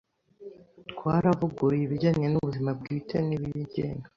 Twaravuguruye ibijanye n'ubuzima bwite n'ibigenga